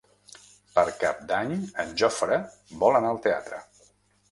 Per Cap d'Any en Jofre vol anar al teatre.